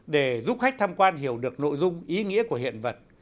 để giúp khách tham quan hiểu được nội dung ý nghĩa của hiện vật